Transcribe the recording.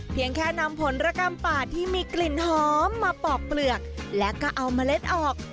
เพียงแค่นำผลระกำป่าที่มีกลิ่นหอมมาปอกเปลือกและก็เอาเมล็ดออก